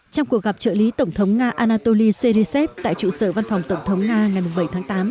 trong cuộc gặp trợ lý tổng thống nga anatoly serisev tại trụ sở văn phòng tổng thống nga ngày bảy tháng tám